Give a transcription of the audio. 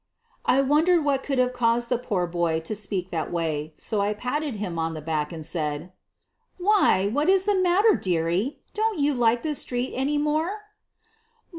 '' I wondered what conld have caused the poor boy to speak that way, so I patted him on the back and said: "Why, what is the matter, dearie! Don't yc\V like this street any more?"